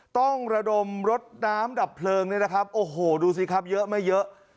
ต้องระดมรถน้ำดับเพลิงเนี่ยนะครับโอ้โหดูสิครับเยอะไม่เยอะ